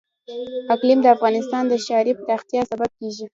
اقلیم د افغانستان د ښاري پراختیا سبب کېږي.